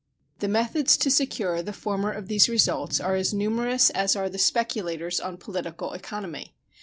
The methods to secure the former of these results are as numerous as are the speculators on political economy.